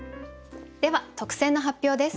では特選の発表です。